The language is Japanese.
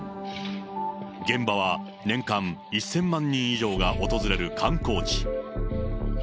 現場は年間１０００万人以上が訪れる観光地。